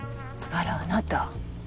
あらあなた。